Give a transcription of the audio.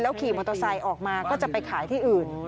ขี่มอเตอร์ไซค์ออกมาก็จะไปขายที่อื่น